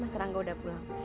mas ranga sudah pulang